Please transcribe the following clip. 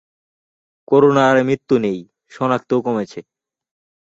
করোনায় মৃত্যু নেই, শনাক্তও কমেছে